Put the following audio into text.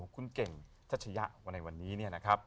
ของคุณเก่งชัชยะวันนี้นะครับ